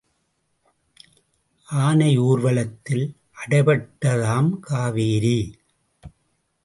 ஆனை ஊர்வலத்தில் அடைபட்டதாம் காவேரி.